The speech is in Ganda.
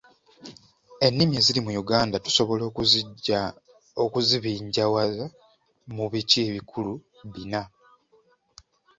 Ennimi eziri mu Uganda tusobola okuzibinjawaza mu biti ebikulu bina.